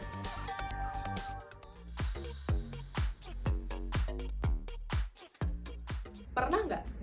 pertama berbicara dengan orang yang terlalu tegang